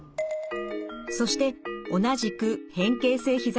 そして同じく変形性ひざ